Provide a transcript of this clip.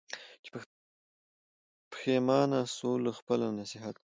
چي پښېمانه سوه له خپله نصیحته